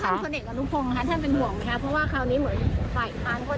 เพราะว่าคราวนี้เหมือนฝ่ายค้านพวกนี้พวกเราจะเร่งไปได้คุย